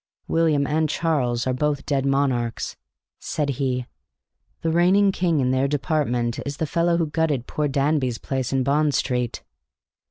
"William and Charles are both dead monarchs," said he. "The reigning king in their department is the fellow who gutted poor Danby's place in Bond Street."